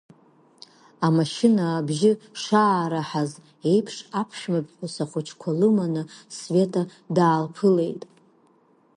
Амашьына абжьы шаараҳаз еиԥш, аԥшәма ԥҳәыс ахәыҷқәа лыманы Света даалԥылеит.